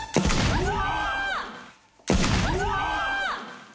うわ！